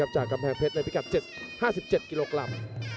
จากกำแพงเพชรในพิกัด๗๕๗กิโลกรัม